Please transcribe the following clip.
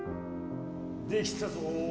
できたぞ